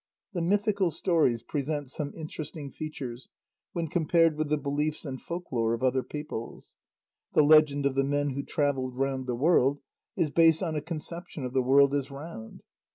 The mythical stories present some interesting features when compared with the beliefs and folk lore of other peoples. The legend of the Men who travelled round the World is based on a conception of the world as round.